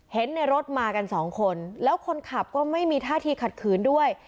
เห็นในรถมากันสองคนแล้วคนขับก็ไม่มีท่าทีขัดขืนด้วย